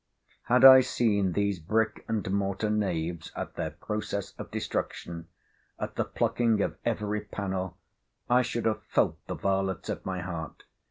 Had I seen these brick and mortar knaves at their process of destruction, at the plucking of every pannel I should have felt the varlets at my heart.